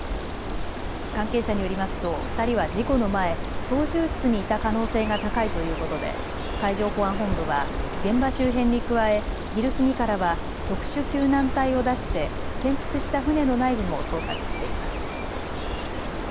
関係者によりますと２人は事故の前操縦室にいた可能性が高いということで海上保安本部は、現場周辺に加え昼過ぎからは特殊救難隊を出して転覆した船の内部も捜索しています。